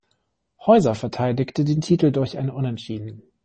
Heuser verteidigte den Titel durch ein Unentschieden.